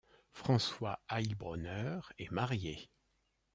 François Heilbronner est marié.